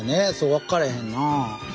分からへんな。